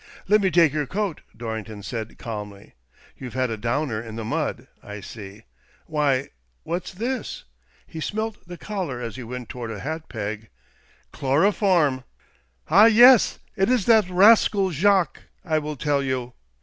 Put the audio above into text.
"Let me take your coat," Dorrington said, calmly. "You've had a downer in the mud, I see. Why, what's this? " he smelt the collar as he went toward a hat peg. " Chloroform !" "Ah yes — it is that rrrascal Jacques! I will tell you.